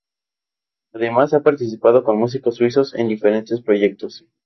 Además ha participado con músicos suizos en diferentes proyectos.